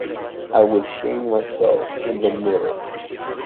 I was seeing myself in the mirror.